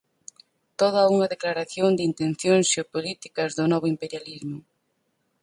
Toda unha declaración de intencións xeopolíticas do Novo Imperialismo.